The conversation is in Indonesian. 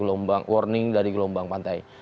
ini adalah warning dari gelombang pantai